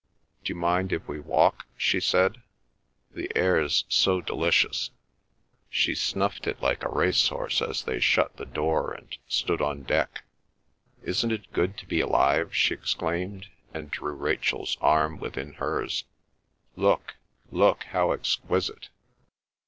"D'you mind if we walk?" she said. "The air's so delicious." She snuffed it like a racehorse as they shut the door and stood on deck. "Isn't it good to be alive?" she exclaimed, and drew Rachel's arm within hers. "Look, look! How exquisite!"